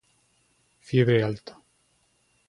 Fiebre alta